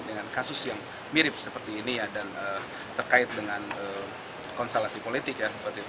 dengan kasus yang mirip seperti ini ya dan terkait dengan konstelasi politik ya